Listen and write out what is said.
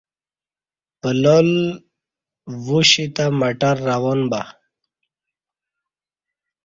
پلال ووشی تہ مٹر روان بہ